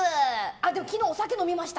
でも昨日お酒飲みました。